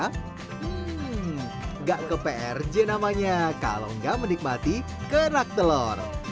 hmm gak ke prj namanya kalau nggak menikmati kerak telur